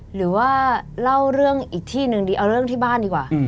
หรือว่าเล่าเรื่องอีกที่หนึ่งดีเอาเรื่องที่บ้านดีกว่า